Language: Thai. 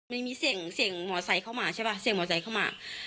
ไม่มีเสียงเสียงหมอสัยเข้ามาใช่ปะเสียงหมอสัยเข้ามา